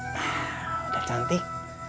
nah udah cantik